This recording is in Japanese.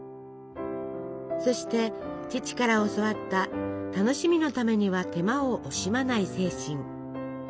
そして父から教わった楽しみのためには手間を惜しまない精神。